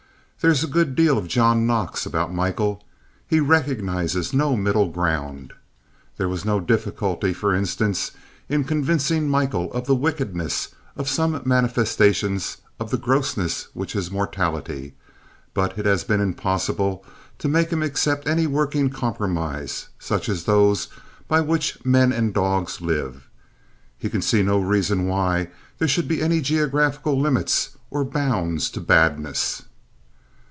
There is a good deal of John Knox about Michael. He recognizes no middle ground. There was no difficulty, for instance, in convincing Michael of the wickedness of some manifestations of the grossness which is mortality, but it has been impossible to make him accept any working compromise such as those by which men and dogs live. He can see no reason why there should be any geographical limits or bounds to badness.